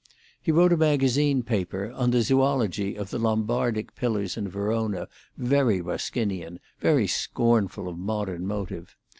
He wrote a magazine paper on the zoology of the Lombardic pillars in Verona, very Ruskinian, very scornful of modern motive.